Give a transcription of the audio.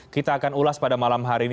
kita akan ulas pada malam hari ini